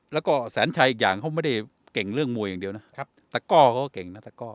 แล้วก็แสนชัยอีกอย่างเขาไม่ได้เก่งเรื่องมวยอย่างเดียวนะครับตะก้อเขาก็เก่งนะตะก้อ